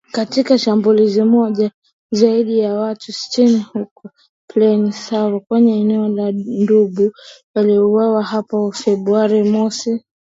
Katika shambulizi moja, zaidi ya watu sitini huko Plaine Savo kwenye eneo la Djubu waliuawa hapo Februari mosi